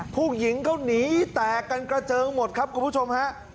ผู้หญิงเขาหนีแตกกันกระเจิงหมดครับคุณผู้ชมฮะ